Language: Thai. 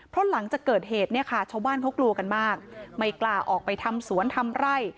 เพราะหลังจากเกิดเหตุเนี่ยค่ะชาวบ้านเขากลัวกันมากไม่กล้าออกไปทำสวนทำไร่